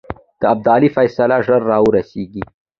د ابدالي فیصله ژر را ورسېږي.